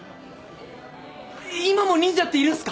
今も忍者っているんすか？